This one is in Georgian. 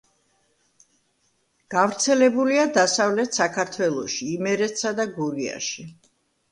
გავრცელებულია დასავლეთ საქართველოში, იმერეთსა და გურიაში.